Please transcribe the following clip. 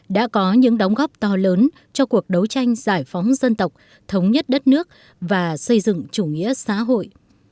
đã có những đóng góp to lớn cho cuộc đấu tranh giải phóng dân tộc thống nhất đất nước và xây dựng chủ nghĩa xã hội